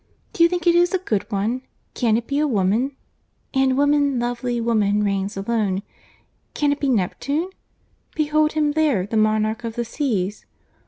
Do you think it is a good one? Can it be woman? And woman, lovely woman, reigns alone. Can it be Neptune? Behold him there, the monarch of the seas!